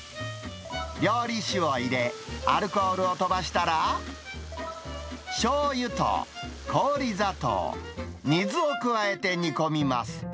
料理酒を入れ、アルコールを飛ばしたら、しょうゆと氷砂糖、水を加えて煮込みます。